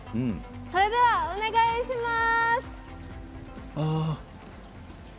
それでは、お願いします。